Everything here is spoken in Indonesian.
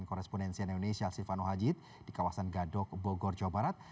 korespondensi indonesia silvano hajid di kawasan gadok bogor jawa barat